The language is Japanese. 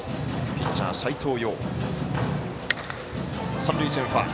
ピッチャー、斎藤蓉。